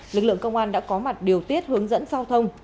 lực lượng công an đã có mặt điều tiết hướng dẫn giao thông